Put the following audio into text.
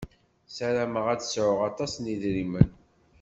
Sarameɣ ad sɛuɣ aṭas n yedrimen.